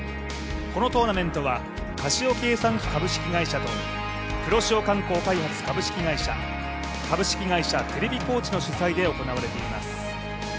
このトーナメントはカシオ計算機株式会社と黒潮観光開発株式会社株式会社テレビ高知の主催で行われています。